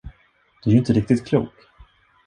Du är ju inte riktigt klok!